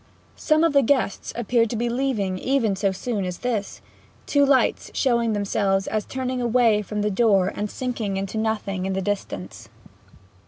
Some of the guests appeared to be leaving even so soon as this, two lights showing themselves as turning away from the door and sinking to nothing in the distance.